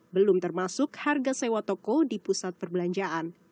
belum termasuk harga sewa toko di pusat perbelanjaan